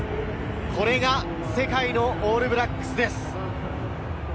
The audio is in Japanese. これが世界のオールブラックスです。